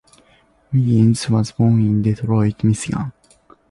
Riggins was born in Detroit, Michigan.